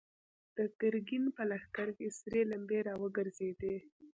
د ګرګين په لښکر کې سرې لمبې را وګرځېدې.